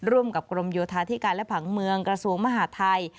ร่วมกับกรมโยธาธิการและผังเมืองกระทรวงมหาทัย